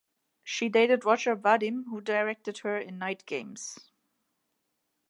She dated Roger Vadim, who directed her in "Night Games".